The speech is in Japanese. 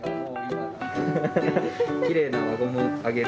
きれいな輪ゴムあげる。